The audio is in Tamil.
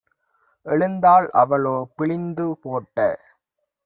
எழுந்தாள். அவளோ, பிழிந்து போட்ட